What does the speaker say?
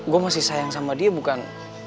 gue masih sayang sama dia bukan